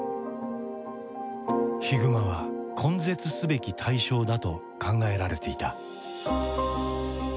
ヒグマは根絶すべき対象だと考えられていた。